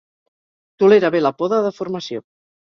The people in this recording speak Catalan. Tolera bé la poda de formació.